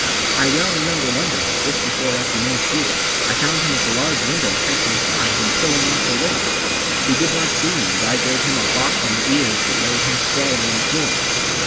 I well remember one day, just before afternoon school, I found him at the large window catching flies and pulling off their wings. He did not see me and I gave him a box on the ears that laid him sprawling on the floor.